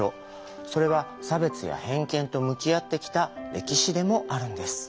それは差別や偏見と向き合ってきた歴史でもあるんです。